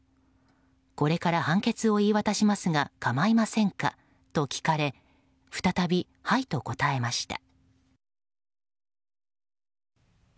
これから判決を言い渡しますが構いませんかと聞かれ再び、はいと答えました。